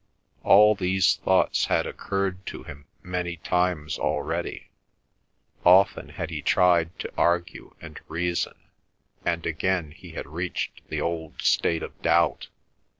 All these thoughts had occurred to him many times already; often had he tried to argue and reason; and again he had reached the old state of doubt.